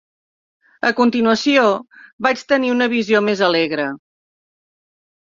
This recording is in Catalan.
A continuació, vaig tenir una visió més alegre.